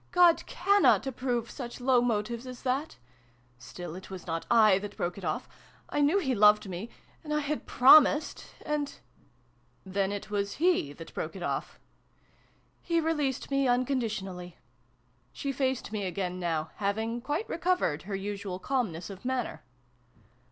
" God cannot approve such low motives as that ! Still it was not / that broke it off. I knew he loved me ; and I had promised ; and "Then it was he that broke it off?" " He released me unconditionally." She faced me again now, having quite recovered her usual calmness of manner.